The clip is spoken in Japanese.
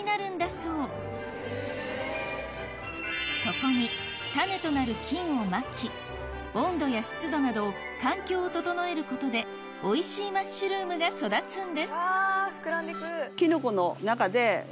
そうそこに種となる菌をまき温度や湿度など環境を整えることでおいしいマッシュルームが育つんですわぁ膨らんでく。